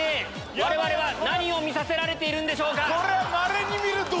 我々は何を見させられているんでしょうか。